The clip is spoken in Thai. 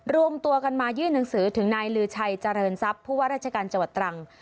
รวมตัวกันมายื่นหนังสือถึงนายลือชัยเจริญทรัพย์ผู้ว่าราชการจังหวัดตรัง